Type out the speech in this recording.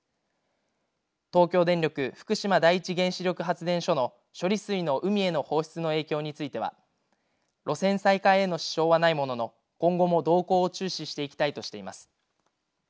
東京電力福島第一原子力発電所の処理水の海への放出の影響については路線再開への支障はないものの今後も動向を注視していきたいとしています。